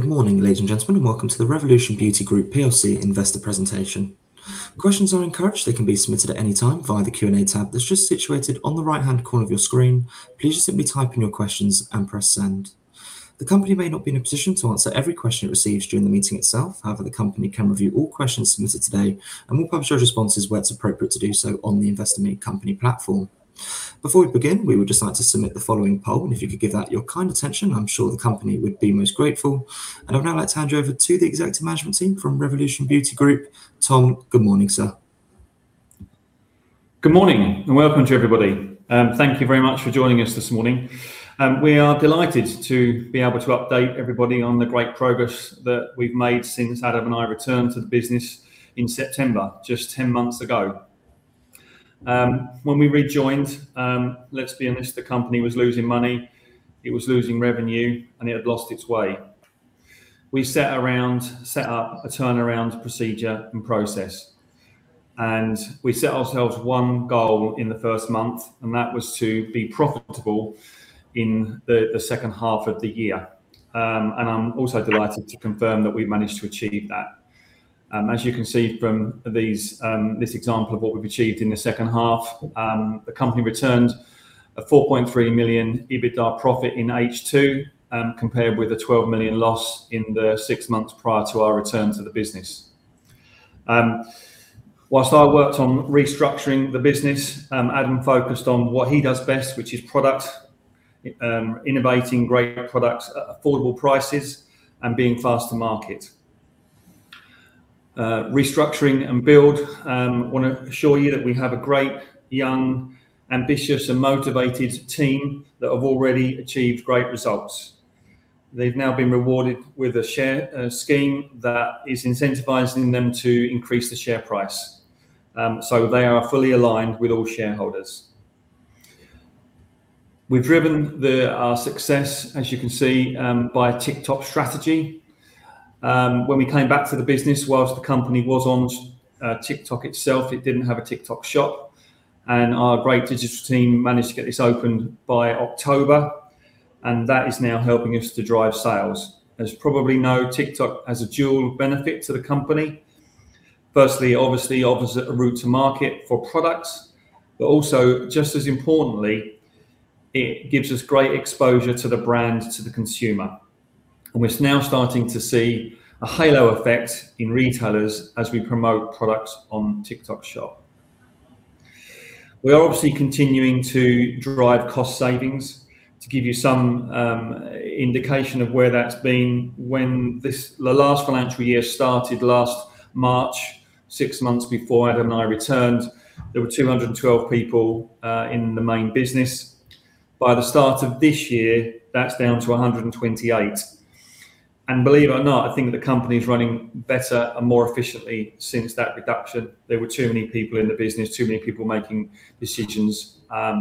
Good morning, ladies and gentlemen, and welcome to the Revolution Beauty Group plc investor presentation. Questions are encouraged. They can be submitted at any time via the Q&A tab that's just situated on the right-hand corner of your screen. Please just simply type in your questions and press send. The company may not be in a position to answer every question it receives during the meeting itself. However, the company can review all questions submitted today, and we'll publish our responses where it's appropriate to do so on the Investor Meet Company platform. Before we begin, we would just like to submit the following poll, and if you could give that your kind attention, I'm sure the company would be most grateful. I'd now like to hand you over to the executive management team from Revolution Beauty Group. Tom, good morning, sir. Good morning, and welcome to everybody. Thank you very much for joining us this morning. We are delighted to be able to update everybody on the great progress that we've made since Adam and I returned to the business in September, just 10 months ago. When we rejoined, let's be honest, the company was losing money, it was losing revenue, and it had lost its way. We set up a turnaround procedure and process, and we set ourselves one goal in the first month, and that was to be profitable in the second half of the year. I'm also delighted to confirm that we've managed to achieve that. As you can see from this example of what we've achieved in the second half, the company returned a 4.3 million EBITDA profit in H2, compared with a 12 million loss in the six months prior to our return to the business. Whilst I worked on restructuring the business, Adam focused on what he does best, which is product, innovating great products at affordable prices, and being fast to market. Restructuring and build, I want to assure you that we have a great, young, ambitious, and motivated team that have already achieved great results. They've now been rewarded with a share scheme that is incentivizing them to increase the share price. They are fully aligned with all shareholders. We've driven our success, as you can see, by a TikTok strategy. When we came back to the business, whilst the company was on TikTok itself, it didn't have a TikTok Shop, our great digital team managed to get this opened by October, and that is now helping us to drive sales. As you probably know, TikTok has a dual benefit to the company. Firstly, obviously offers a route to market for products, but also, just as importantly, it gives us great exposure to the brand, to the consumer. We're now starting to see a halo effect in retailers as we promote products on TikTok Shop. We are obviously continuing to drive cost savings. To give you some indication of where that's been, when the last financial year started last March, six months before Adam and I returned, there were 212 people in the main business. By the start of this year, that's down to 128. Believe it or not, I think the company's running better and more efficiently since that reduction. There were too many people in the business, too many people making decisions.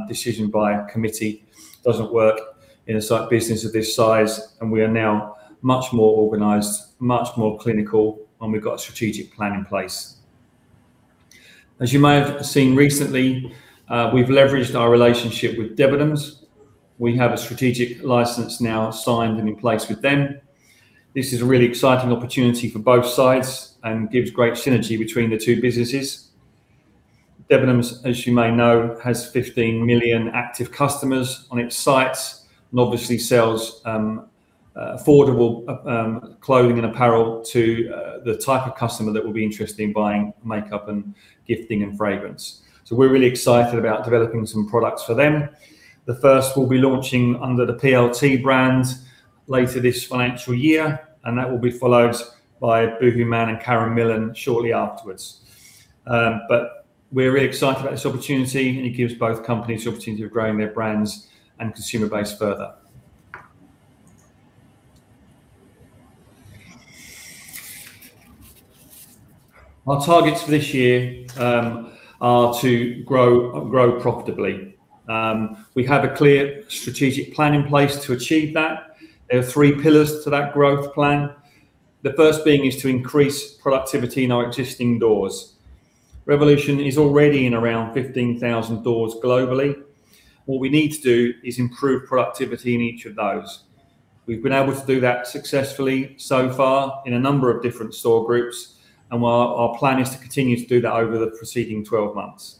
Decision by committee doesn't work in a business of this size, we are now much more organized, much more clinical, and we've got a strategic plan in place. As you may have seen recently, we've leveraged our relationship with Debenhams. We have a strategic license now signed and in place with them. This is a really exciting opportunity for both sides and gives great synergy between the two businesses. Debenhams, as you may know, has 15 million active customers on its sites and obviously sells affordable clothing and apparel to the type of customer that will be interested in buying makeup and gifting and fragrance. We're really excited about developing some products for them. The first we'll be launching under the PLT brand later this financial year, and that will be followed by boohooMAN and Karen Millen shortly afterwards. But we're really excited about this opportunity, and it gives both companies the opportunity of growing their brands and consumer base further. Our targets for this year are to grow profitably. We have a clear strategic plan in place to achieve that. There are three pillars to that growth plan. The first being is to increase productivity in our existing doors. Revolution is already in around 15,000 doors globally. What we need to do is improve productivity in each of those. We've been able to do that successfully so far in a number of different store groups, and our plan is to continue to do that over the proceeding 12 months.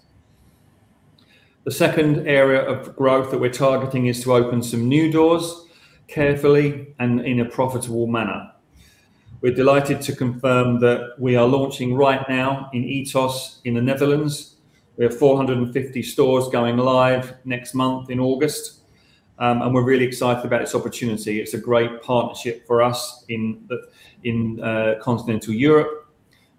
The second area of growth that we're targeting is to open some new doors carefully and in a profitable manner. We're delighted to confirm that we are launching right now in Etos in the Netherlands. We have 450 stores going live next month in August, and we're really excited about this opportunity. It's a great partnership for us in continental Europe,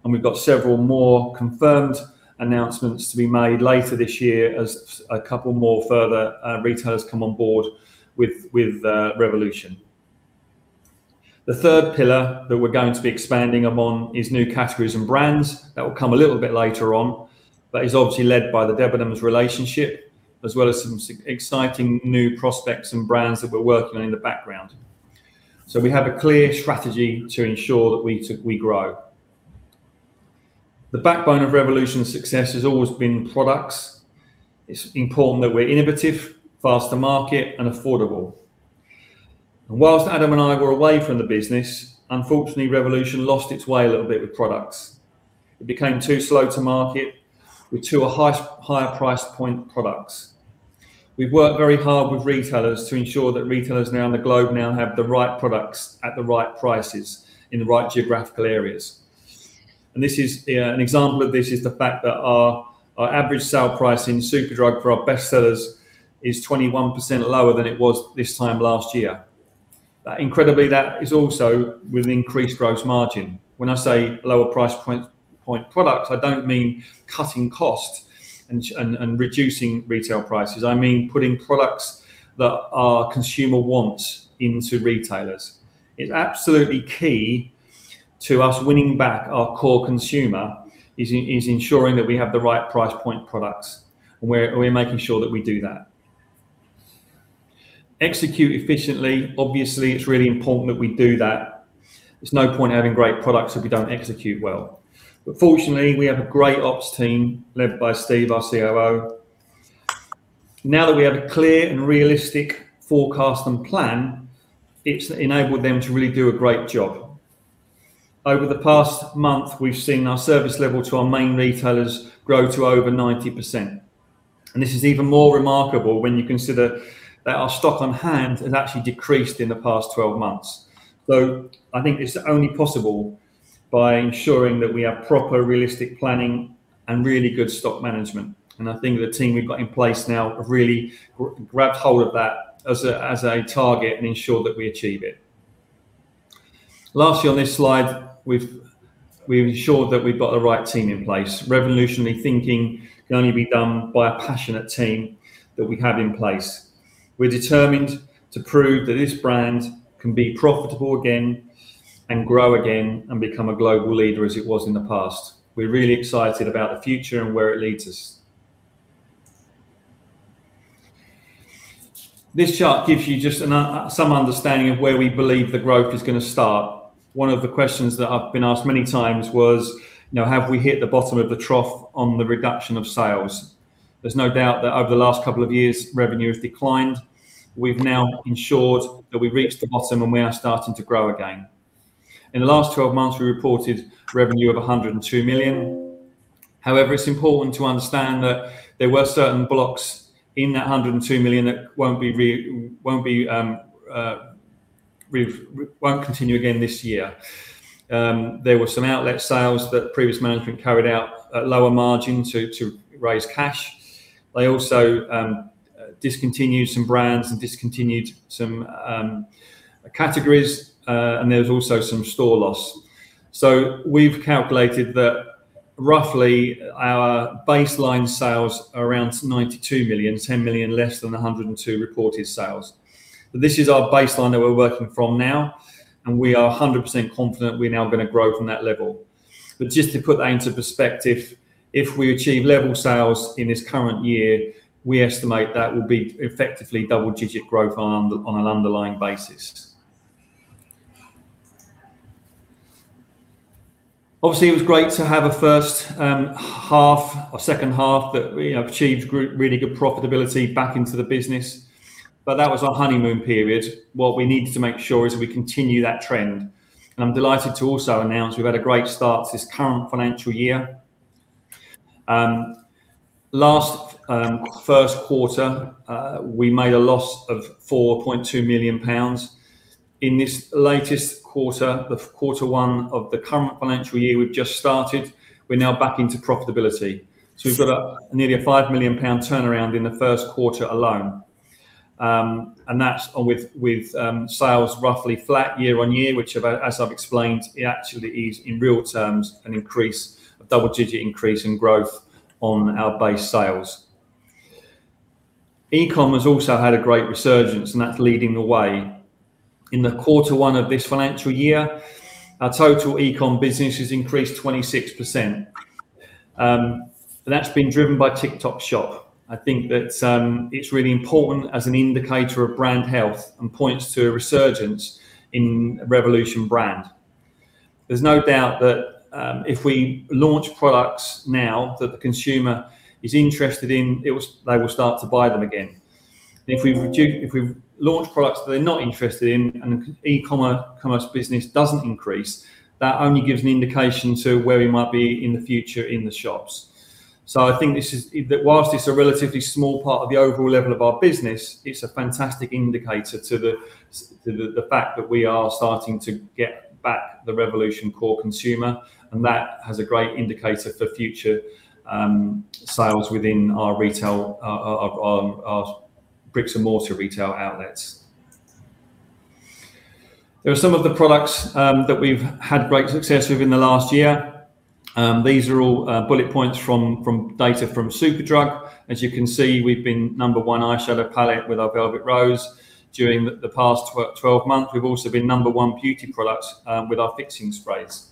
and we've got several more confirmed announcements to be made later this year as a couple more further retailers come on board with Revolution. The third pillar that we're going to be expanding upon is new categories and brands. That will come a little bit later on, but is obviously led by the Debenhams relationship, as well as some exciting new prospects and brands that we're working on in the background. We have a clear strategy to ensure that we grow. The backbone of Revolution's success has always been products. It's important that we're innovative, fast to market, and affordable. Whilst Adam and I were away from the business, unfortunately, Revolution lost its way a little bit with products. It became too slow to market with too high a price point products. We've worked very hard with retailers to ensure that retailers now on the globe now have the right products at the right prices in the right geographical areas. An example of this is the fact that our average sale price in Superdrug for our best sellers is 21% lower than it was this time last year. Incredibly, that is also with increased gross margin. When I say lower price point products, I don't mean cutting cost and reducing retail prices. I mean putting products that our consumer wants into retailers. It's absolutely key to us winning back our core consumer, is ensuring that we have the right price point products, and we're making sure that we do that. Execute efficiently. Obviously, it's really important that we do that. There's no point having great products if we don't execute well. Fortunately, we have a great ops team led by Steve, our COO. Now that we have a clear and realistic forecast and plan, it's enabled them to really do a great job. Over the past month, we've seen our service level to our main retailers grow to over 90%. This is even more remarkable when you consider that our stock on hand has actually decreased in the past 12 months. I think it's only possible by ensuring that we have proper, realistic planning and really good stock management. I think the team we've got in place now have really grabbed hold of that as a target and ensure that we achieve it. Lastly, on this slide, we've ensured that we've got the right team in place. Revolutionary thinking can only be done by a passionate team that we have in place. We're determined to prove that this brand can be profitable again, and grow again, and become a global leader as it was in the past. We're really excited about the future and where it leads us. This chart gives you just some understanding of where we believe the growth is going to start. One of the questions that I've been asked many times was, have we hit the bottom of the trough on the reduction of sales? There's no doubt that over the last couple of years, revenue has declined. We've now ensured that we've reached the bottom and we are starting to grow again. In the last 12 months, we reported revenue of 102 million. However, it's important to understand that there were certain blocks in that 102 million that won't continue again this year. There were some outlet sales that previous management carried out at lower margin to raise cash. They also discontinued some brands and discontinued some categories, and there was also some store loss. We've calculated that roughly our baseline sales are around 92 million, 10 million less than 102 million reported sales. This is our baseline that we're working from now, and we are 100% confident we're now going to grow from that level. Just to put that into perspective, if we achieve level sales in this current year, we estimate that will be effectively double-digit growth on an underlying basis. Obviously, it was great to have a first half or second half that we achieved really good profitability back into the business. That was our honeymoon period. What we needed to make sure is we continue that trend. I'm delighted to also announce we've had a great start to this current financial year. Last first quarter, we made a loss of 4.2 million pounds. In this latest quarter, the quarter one of the current financial year we've just started, we're now back into profitability. We've got nearly a 5 million pound turnaround in the first quarter alone. That's with sales roughly flat year-on-year, which as I've explained, it actually is in real terms, a double-digit increase in growth on our base sales. E-com has also had a great resurgence, and that's leading the way. In the quarter one of this financial year, our total e-com business has increased 26%. That's been driven by TikTok Shop. I think that it's really important as an indicator of brand health and points to a resurgence in Revolution. There's no doubt that if we launch products now that the consumer is interested in, they will start to buy them again. If we launch products that they're not interested in and the e-commerce business doesn't increase, that only gives an indication to where we might be in the future in the shops. I think that whilst it's a relatively small part of the overall level of our business, it's a fantastic indicator to the fact that we are starting to get back the Revolution core consumer, and that has a great indicator for future sales within our bricks and mortar retail outlets. There are some of the products that we've had great success with in the last year. These are all bullet points from data from Superdrug. As you can see, we've been number one eyeshadow palette with our Velvet Rose during the past 12 months. We've also been number one beauty product with our fixing sprays.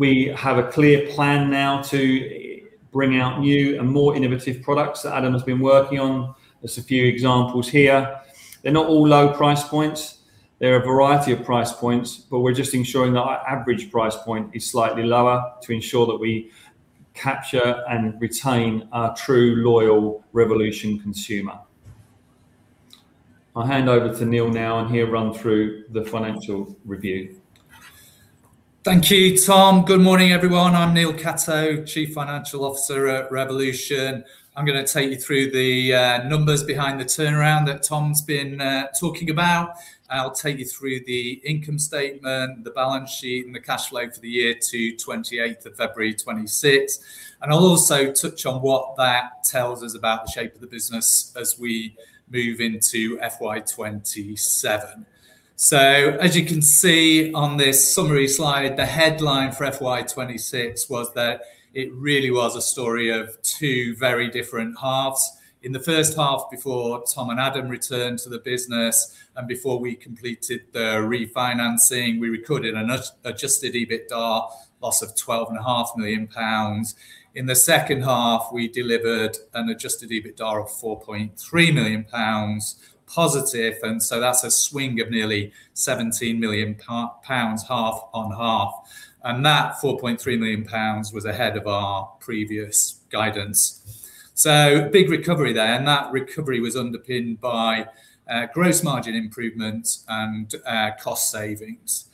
We have a clear plan now to bring out new and more innovative products that Adam has been working on. There's a few examples here. They're not all low price points. They're a variety of price points, but we're just ensuring that our average price point is slightly lower to ensure that we capture and retain our true loyal Revolution consumer. I'll hand over to Neil now. He'll run through the financial review. Thank you, Tom. Good morning, everyone. I'm Neil Catto, Chief Financial Officer at Revolution. I'm going to take you through the numbers behind the turnaround that Tom's been talking about. I'll take you through the income statement, the balance sheet, and the cash flow for the year to 28th of February 2026. I'll also touch on what that tells us about the shape of the business as we move into FY 2027. As you can see on this summary slide, the headline for FY 2026 was that it really was a story of two very different halves. In the first half, before Tom and Adam returned to the business, and before we completed the refinancing, we recorded an adjusted EBITDA loss of 12.5 million pounds. In the second half, we delivered an adjusted EBITDA of +4.3 million pounds, that's a swing of nearly 17 million pounds half-on-half. That 4.3 million pounds was ahead of our previous guidance. Big recovery there, that recovery was underpinned by gross margin improvements and cost savings.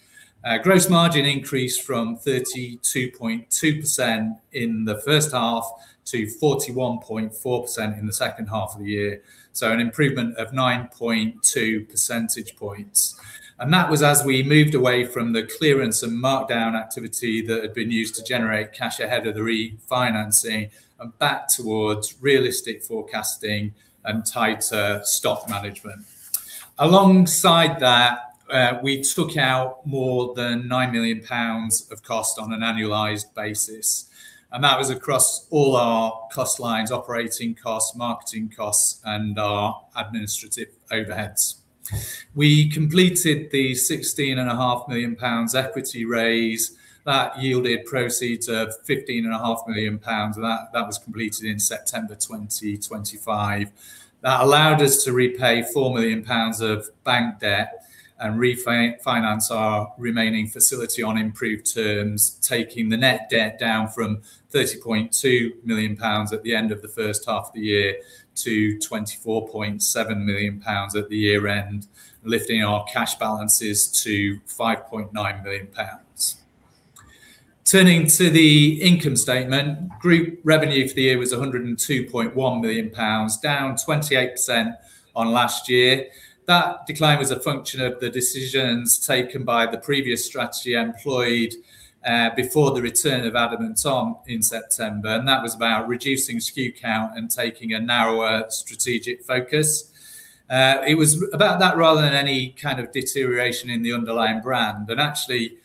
Gross margin increased from 32.2% in the first half to 41.4% in the second half of the year. An improvement of 9.2 percentage points. That was as we moved away from the clearance and markdown activity that had been used to generate cash ahead of the refinancing and back towards realistic forecasting and tighter stock management. Alongside that, we took out more than 9 million pounds of cost on an annualized basis, that was across all our cost lines, operating costs, marketing costs, and our administrative overheads. We completed the 16.5 million pounds equity raise. That yielded proceeds of 15.5 million pounds. That was completed in September 2025. That allowed us to repay 4 million pounds of bank debt and refinance our remaining facility on improved terms, taking the net debt down from 30.2 million pounds at the end of the first half of the year to 24.7 million pounds at the year-end, lifting our cash balances to 5.9 million pounds. Turning to the income statement, group revenue for the year was 102.1 million pounds, down 28% on last year. That decline was a function of the decisions taken by the previous strategy employed before the return of Adam and Tom in September, and that was about reducing SKU count and taking a narrower strategic focus. It was about that rather than any kind of deterioration in the underlying brand. And actually,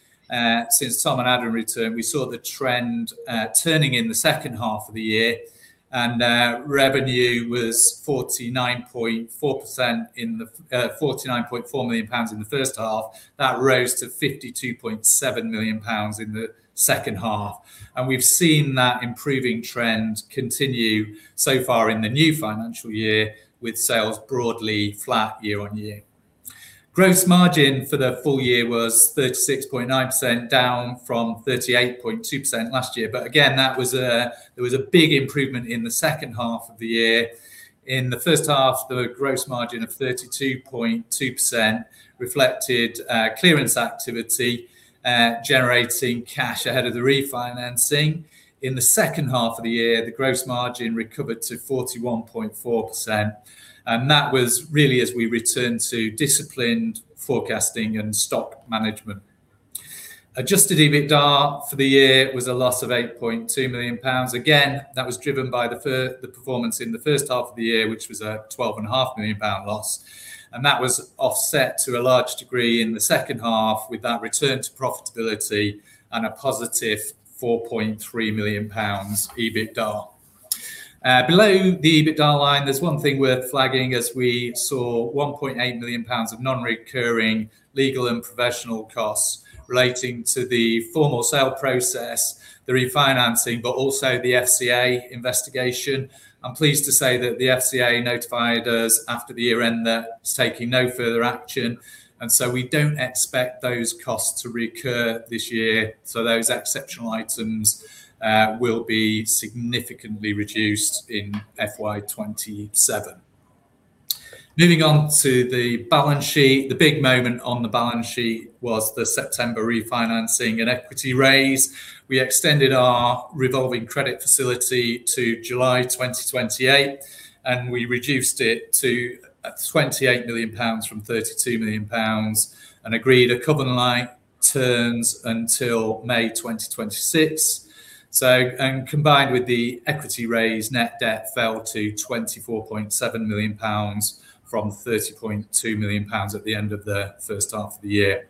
since Tom and Adam returned, we saw the trend turning in the second half of the year, and revenue was 49.4 million pounds in the first half. That rose to 52.7 million pounds in the second half. And we've seen that improving trend continue so far in the new financial year with sales broadly flat year-on-year. Gross margin for the full year was 36.9%, down from 38.2% last year. But again, there was a big improvement in the second half of the year. In the first half, the gross margin of 32.2% reflected clearance activity generating cash ahead of the refinancing. In the second half of the year, the gross margin recovered to 41.4%, and that was really as we returned to disciplined forecasting and stock management. Adjusted EBITDA for the year was a loss of 8.2 million pounds. Again, that was driven by the performance in the first half of the year, which was a 12.5 million pound loss, and that was offset to a large degree in the second half with that return to profitability and a positive 4.3 million pounds EBITDA. Below the EBITDA line, there's one thing worth flagging as we saw 1.8 million pounds of non-recurring legal and professional costs relating to the formal sale process, the refinancing, but also the FCA investigation. I'm pleased to say that the FCA notified us after the year end that it's taking no further action, and so we don't expect those costs to recur this year. Those exceptional items will be significantly reduced in FY 2027. Moving on to the balance sheet. The big moment on the balance sheet was the September refinancing and equity raise. We extended our revolving credit facility to July 2028, and we reduced it to 28 million pounds from 32 million pounds and agreed a covenant light terms until May 2026. Combined with the equity raise, net debt fell to 24.7 million pounds from 30.2 million pounds at the end of the first half of the year.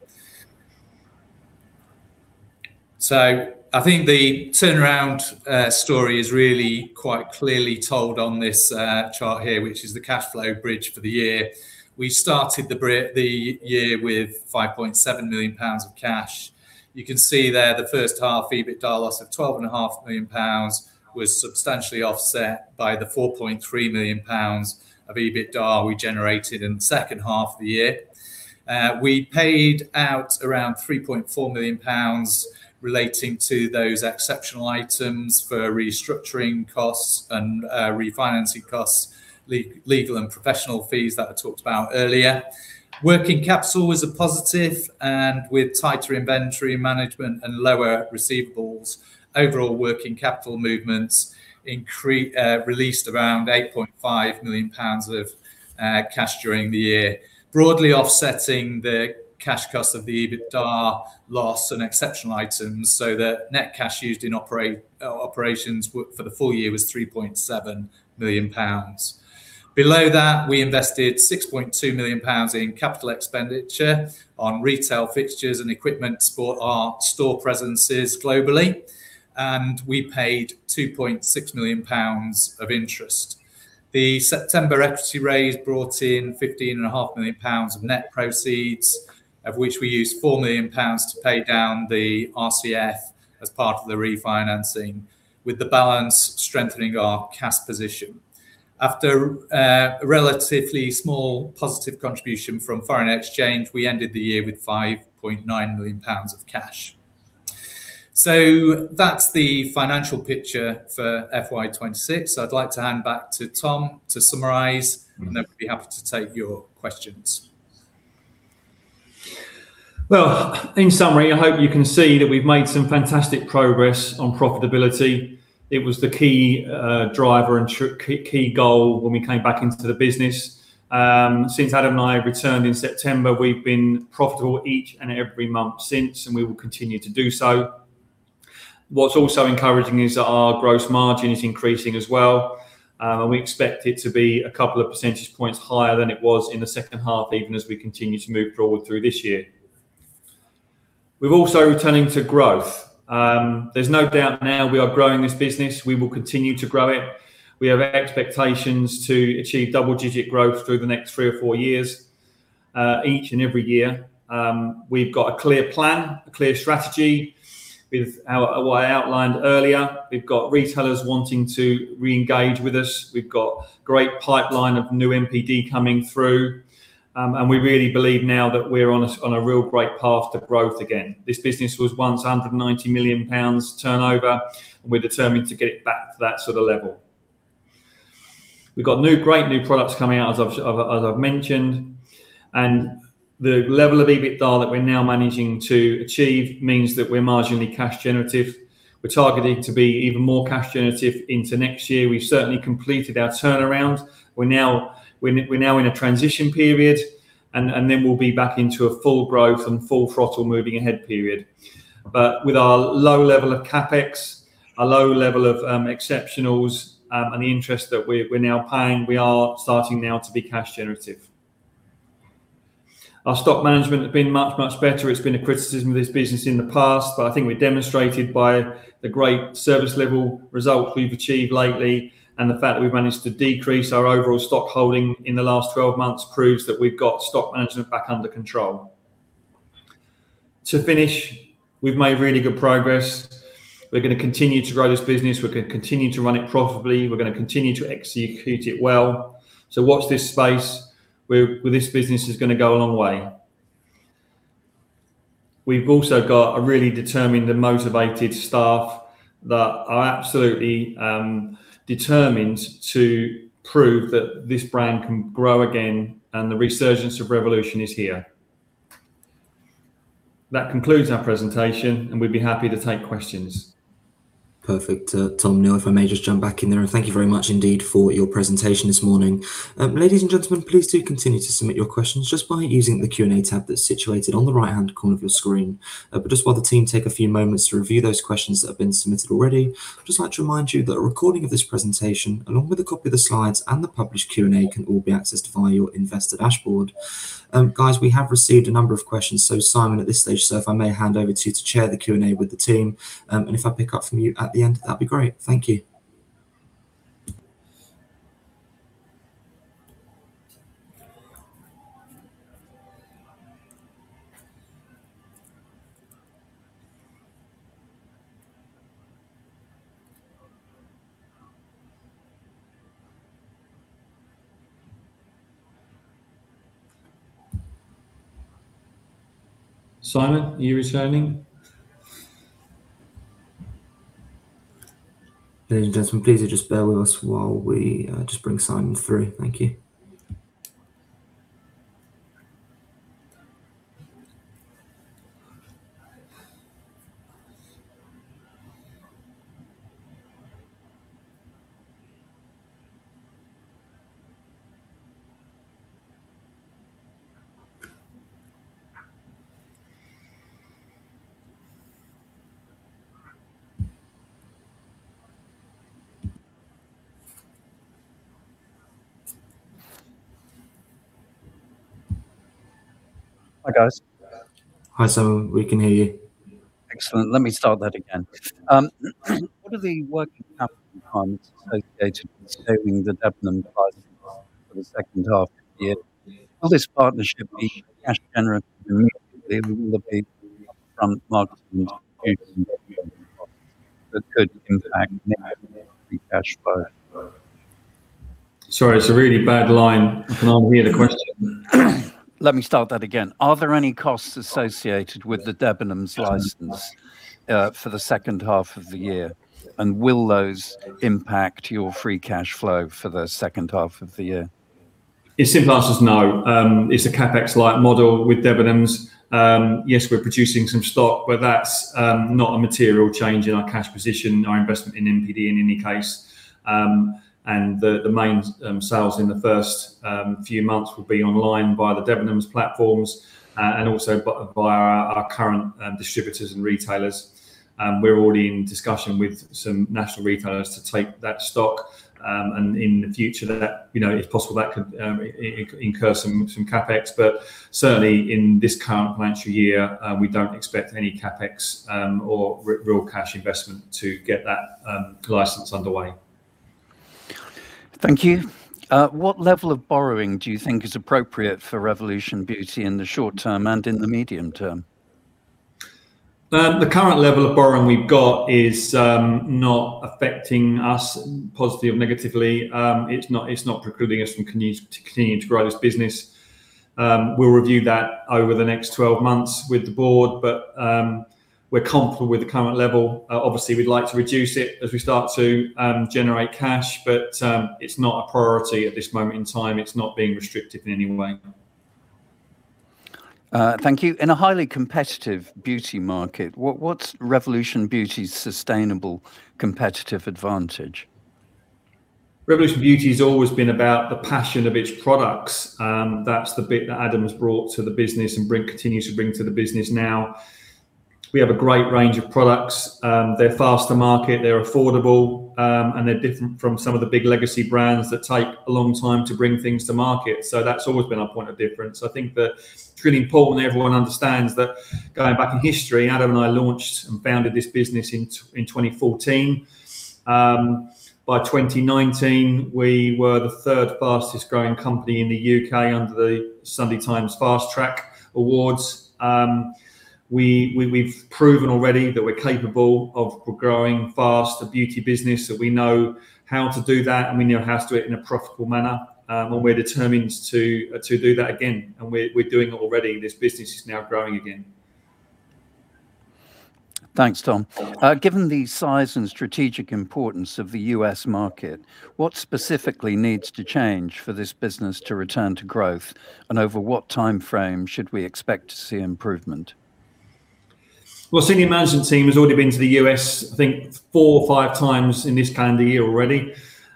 I think the turnaround story is really quite clearly told on this chart here, which is the cash flow bridge for the year. We started the year with 5.7 million pounds of cash. You can see there the first half EBITDA loss of 12.5 million pounds was substantially offset by the 4.3 million pounds of EBITDA we generated in the second half of the year. We paid out around 3.4 million pounds relating to those exceptional items for restructuring costs and refinancing costs, legal and professional fees that I talked about earlier. Working capital was a positive and with tighter inventory management and lower receivables, overall working capital movements released around 8.5 million pounds of cash during the year, broadly offsetting the cash cost of the EBITDA loss and exceptional items so that net cash used in operations for the full-year was 3.7 million pounds. Below that, we invested 6.2 million pounds in capital expenditure on retail fixtures and equipment for our store presences globally, and we paid 2.6 million pounds of interest. The September equity raise brought in 15.5 million pounds of net proceeds, of which we used 4 million pounds to pay down the RCF as part of the refinancing, with the balance strengthening our cash position. After a relatively small positive contribution from foreign exchange, we ended the year with 5.9 million pounds of cash. So that's the financial picture for FY 2026. I'd like to hand back to Tom to summarize, and then we'd be happy to take your questions. Well, in summary, I hope you can see that we've made some fantastic progress on profitability. It was the key driver and key goal when we came back into the business. Since Adam and I returned in September, we've been profitable each and every month since, and we will continue to do so. What's also encouraging is that our gross margin is increasing as well, and we expect it to be a couple of percentage points higher than it was in the second half, even as we continue to move forward through this year. We're also returning to growth. There's no doubt now we are growing this business. We will continue to grow it. We have expectations to achieve double-digit growth through the next three or four years, each and every year. We've got a clear plan, a clear strategy with what I outlined earlier. We've got retailers wanting to reengage with us. We've got great pipeline of new NPD coming through. And we really believe now that we're on a real great path to growth again. This business was once 190 million pounds turnover, and we're determined to get it back to that sort of level. We've got great new products coming out, as I've mentioned, and the level of EBITDA that we're now managing to achieve means that we're marginally cash generative. We're targeting to be even more cash generative into next year. We've certainly completed our turnaround. We're now in a transition period, and then we'll be back into a full growth and full throttle moving ahead period. But with our low level of CapEx, our low level of exceptionals, and the interest that we're now paying, we are starting now to be cash generative. Our stock management has been much, much better. It's been a criticism of this business in the past, but I think we demonstrated by the great service level results we've achieved lately and the fact that we've managed to decrease our overall stock holding in the last 12 months proves that we've got stock management back under control. To finish, we've made really good progress. We're going to continue to grow this business. We're going to continue to run it profitably. We're going to continue to execute it well. Watch this space. This business is going to go a long way. We've also got a really determined and motivated staff that are absolutely determined to prove that this brand can grow again, and the resurgence of Revolution is here. That concludes our presentation, and we'd be happy to take questions. Perfect. Tom, Neil, if I may just jump back in there, thank you very much indeed for your presentation this morning. Ladies and gentlemen, please do continue to submit your questions just by using the Q&A tab that's situated on the right-hand corner of your screen. Just while the team take a few moments to review those questions that have been submitted already, I'd just like to remind you that a recording of this presentation, along with a copy of the slides and the published Q&A, can all be accessed via your Investor dashboard. Guys, we have received a number of questions, Simon, at this stage, sir, if I may hand over to you to chair the Q&A with the team, and if I pick up from you at the end, that'd be great. Thank you. Simon, are you returning? Ladies and gentlemen, please just bear with us while we just bring Simon through. Thank you. Hi, guys. Hi, Simon. We can hear you. Excellent. Let me start that again. What are the [inaudible] Sorry, it's a really bad line. I can't hear the question. Let me start that again. Are there any costs associated with the Debenhams license for the second half of the year, and will those impact your free cash flow for the second half of the year? The simple answer is no. It's a CapEx-light model with Debenhams. Yes, we're producing some stock, but that's not a material change in our cash position, our investment in NPD in any case. The main sales in the first few months will be online via the Debenhams platforms, and also by our current distributors and retailers. We're already in discussion with some national retailers to take that stock, and in the future, it's possible that could incur some CapEx. Certainly in this current financial year, we don't expect any CapEx or real cash investment to get that license underway. Thank you. What level of borrowing do you think is appropriate for Revolution Beauty in the short-term and in the medium-term? The current level of borrowing we've got is not affecting us positively or negatively. It's not precluding us from continuing to grow this business. We'll review that over the next 12 months with the Board, we're comfortable with the current level. Obviously, we'd like to reduce it as we start to generate cash, it's not a priority at this moment in time. It's not being restrictive in any way. Thank you. In a highly competitive beauty market, what's Revolution Beauty's sustainable competitive advantage? Revolution Beauty's always been about the passion of its products. That's the bit that Adam's brought to the business and continues to bring to the business now. We have a great range of products. They're fast to market, they're affordable, and they're different from some of the big legacy brands that take a long time to bring things to market. That's always been our point of difference. I think that it's really important everyone understands that going back in history, Adam and I launched and founded this business in 2014. By 2019, we were the third fastest-growing company in the U.K. under the Sunday Times Fast Track awards. We've proven already that we're capable of growing fast a beauty business, that we know how to do that, and we know how to do it in a profitable manner. We're determined to do that again, and we're doing it already. This business is now growing again. Thanks, Tom. Given the size and strategic importance of the U.S. market, what specifically needs to change for this business to return to growth, and over what timeframe should we expect to see improvement? Well, the senior management team has already been to the U.S., I think, four or five times in this calendar year already.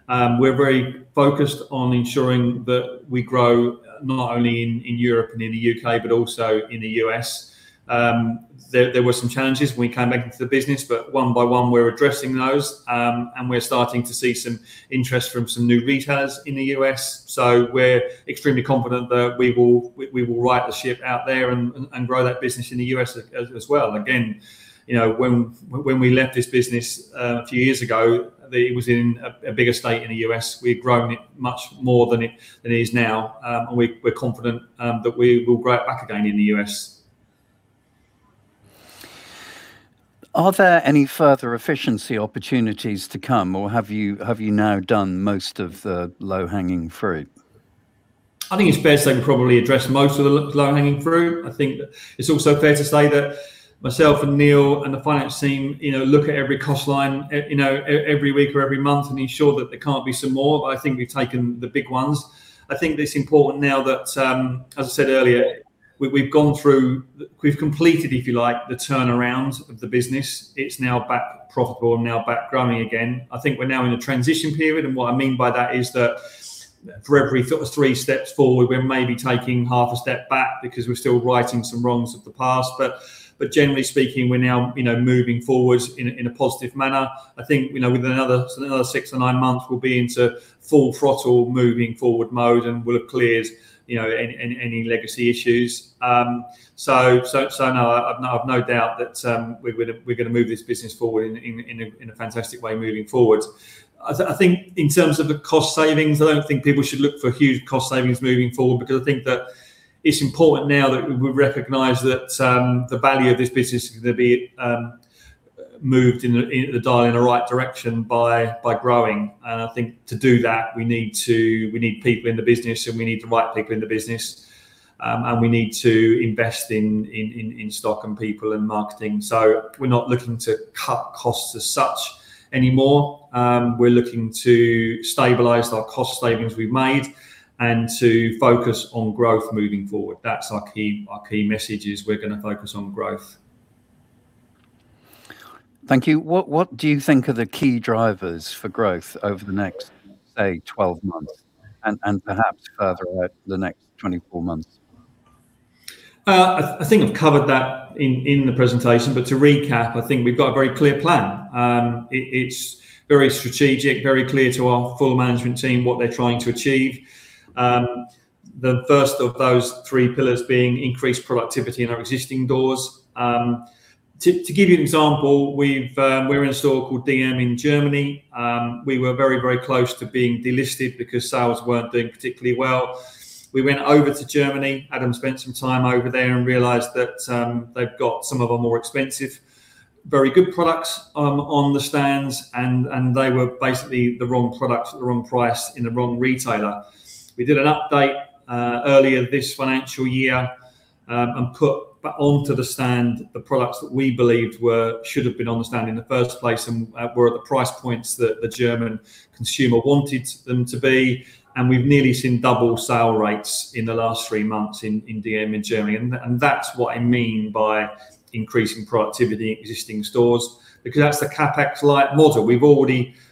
We're very focused on ensuring that we grow not only in Europe and in the U.K., but also in the U.S.. There were some challenges when we came back into the business, but one by one we're addressing those, and we're starting to see some interest from some new retailers in the U.S.. We're extremely confident that we will right the ship out there and grow that business in the U.S. as well. Again, when we left this business a few years ago, it was in a bigger state in the U.S.. We'd grown it much more than it is now. We're confident that we will grow it back again in the U.S.. Are there any further efficiency opportunities to come, or have you now done most of the low-hanging fruit? I think it's fair to say we've probably addressed most of the low-hanging fruit. I think that it's also fair to say that myself and Neil and the finance team look at every cost line every week or every month and ensure that there can't be some more, but I think we've taken the big ones. I think that it's important now that, as I said earlier, we've gone through, we've completed, if you like, the turnaround of the business. It's now back profitable and now back growing again. I think we're now in a transition period, and what I mean by that is that for every three steps forward, we're maybe taking half a step back because we're still righting some wrongs of the past. Generally speaking, we're now moving forward in a positive manner. I think within another six to nine months, we'll be into full-throttle moving-forward mode, and we'll have cleared any legacy issues. No, I've no doubt that we're going to move this business forward in a fantastic way moving forward. I think in terms of the cost savings, I don't think people should look for huge cost savings moving forward because I think that it's important now that we recognize that the value of this business is going to be moved in the right direction by growing. I think to do that, we need people in the business, and we need the right people in the business. We need to invest in stock and people and marketing. We're not looking to cut costs as such anymore. We're looking to stabilize our cost savings we've made and to focus on growth moving forward. That's our key message, is we're going to focus on growth. Thank you. What do you think are the key drivers for growth over the next, say, 12 months, and perhaps further out, the next 24 months? I think I've covered that in the presentation, but to recap, I think we've got a very clear plan. It's very strategic, very clear to our full management team what they're trying to achieve. The first of those three pillars being increased productivity in our existing doors. To give you an example, we're in a store called dm in Germany. We were very close to being delisted because sales weren't doing particularly well. We went over to Germany, Adam spent some time over there and realized that they've got some of our more expensive, very good products on the stands, and they were basically the wrong product at the wrong price in the wrong retailer. We did an update earlier this financial year, put onto the stand the products that we believed should've been on the stand in the first place and were at the price points that the German consumer wanted them to be, and we've nearly seen double sale rates in the last three months in dm in Germany. That's what I mean by increasing productivity in existing stores, because that's the CapEx light model.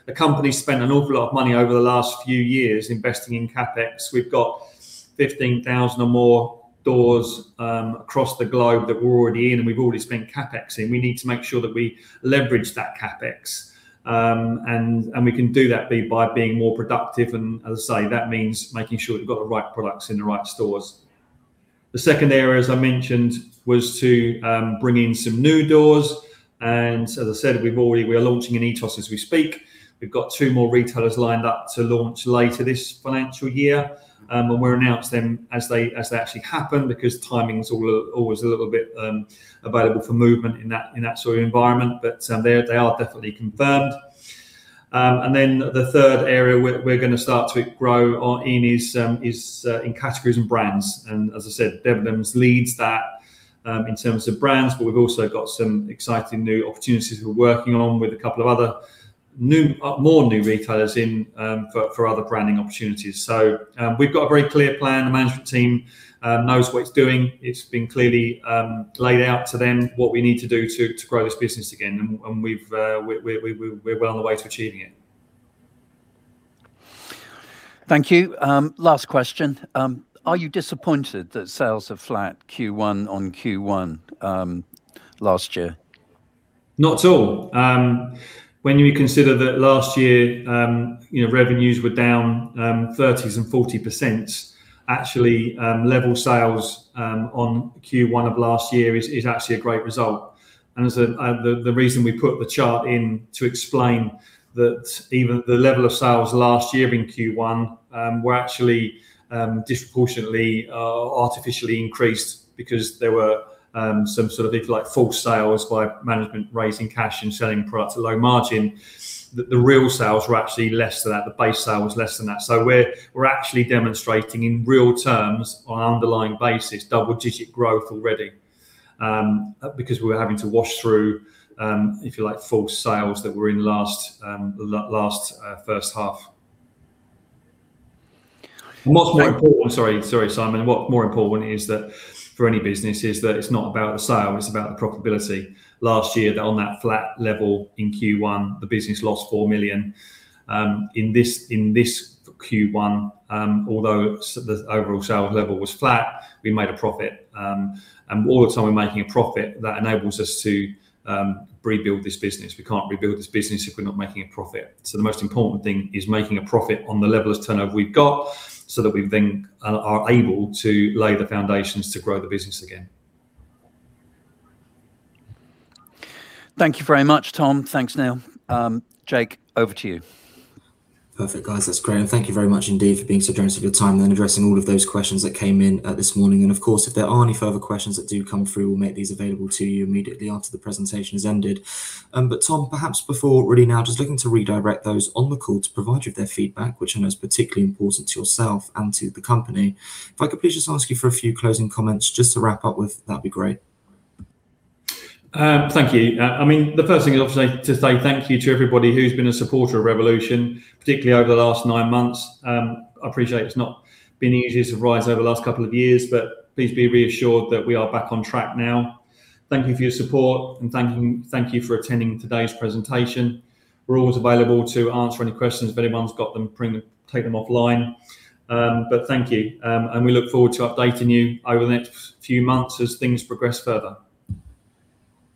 The company's spent an awful lot of money over the last few years investing in CapEx. We've got 15,000 or more doors across the globe that we're already in, and we've already spent CapEx in. We need to make sure that we leverage that CapEx. We can do that by being more productive and, as I say, that means making sure we've got the right products in the right stores. The second area, as I mentioned, was to bring in some new doors and, as I said, we are launching in Etos as we speak. We've got two more retailers lined up to launch later this financial year. We'll announce them as they actually happen because timing's always a little bit available for movement in that sort of environment. They are definitely confirmed. The third area we're going to start to grow in is in categories and brands and, as I said, Debenhams leads that in terms of brands, but we've also got some exciting new opportunities we're working on with a couple of more new retailers in for other branding opportunities. We've got a very clear plan. The management team knows what it's doing. It's been clearly laid out to them what we need to do to grow this business again. We're well on the way to achieving it. Thank you. Last question. Are you disappointed that sales are flat Q1-on-Q1 last year? Not at all. When you consider that last year revenues were down 30%s and 40%, actually level sales on Q1 of last year is actually a great result. The reason we put the chart in to explain that even the level of sales last year in Q1 were actually disproportionately artificially increased because there were some sort of false sales by management raising cash and selling products at low margin. The real sales were actually less than that, the base sale was less than that. We're actually demonstrating in real terms on an underlying basis, double-digit growth already, because we were having to wash through, if you like, false sales that were in last first half. Sorry, Simon. What's more important is that for any business is that it's not about the sale, it's about the profitability. Last year on that flat level in Q1, the business lost 4 million. In this Q1, although the overall sales level was flat, we made a profit. All the time we're making a profit, that enables us to rebuild this business. We can't rebuild this business if we're not making a profit. The most important thing is making a profit on the level of turnover we've got so that we then are able to lay the foundations to grow the business again. Thank you very much, Tom. Thanks, Neil. Jake, over to you. Perfect guys, that's great. Thank you very much indeed for being so generous with your time and addressing all of those questions that came in this morning. Of course, if there are any further questions that do come through, we'll make these available to you immediately after the presentation has ended. Tom, perhaps before, really now just looking to redirect those on the call to provide you with their feedback, which I know is particularly important to yourself and to the company. If I could please just ask you for a few closing comments just to wrap up with, that'd be great. Thank you. The first thing is obviously to say thank you to everybody who's been a supporter of Revolution, particularly over the last nine months. I appreciate it's not been the easiest of rides over the last couple of years, but please be reassured that we are back on track now. Thank you for your support and thank you for attending today's presentation. We're always available to answer any questions if anyone's got them, take them offline. Thank you, we look forward to updating you over the next few months as things progress further.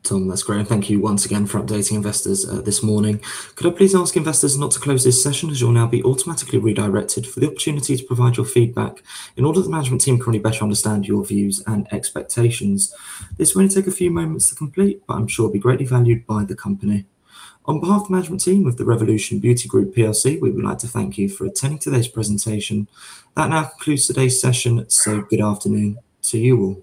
Tom, that's great. Thank you once again for updating investors this morning. Could I please ask investors not to close this session as you'll now be automatically redirected for the opportunity to provide your feedback in order the management team can only better understand your views and expectations. This will only take a few moments to complete, but I'm sure will be greatly valued by the company. On behalf of the management team of the Revolution Beauty Group plc, we would like to thank you for attending today's presentation. That now concludes today's session. Good afternoon to you all.